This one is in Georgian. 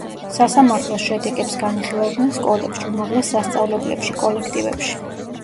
სასამართლოს შედეგებს განიხილავდნენ სკოლებში, უმაღლეს სასწავლებლებში, კოლექტივებში.